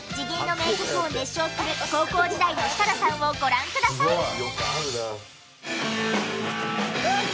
ＺＩＧＧＹの名曲を熱唱する高校時代の設楽さんをご覧ください！